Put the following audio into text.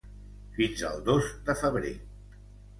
Fins al dos de febrer.